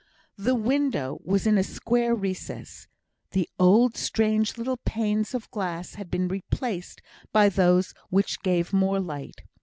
The window was in a square recess; the old strange little panes of glass had been replaced by those which gave more light.